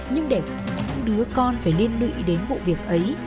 nhưng để những đứa con phải liên lụy đến vụ việc ấy